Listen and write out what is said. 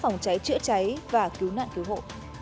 phòng cháy chữa cháy và cứu nạn cứu hộ